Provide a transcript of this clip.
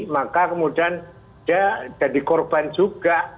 maka kemudian dia jadi korban juga